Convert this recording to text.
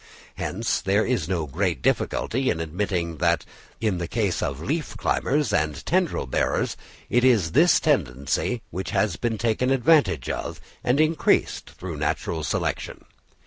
Hence there is no great difficulty in admitting that in the case of leaf climbers and tendril bearers, it is this tendency which has been taken advantage of and increased through natural selection.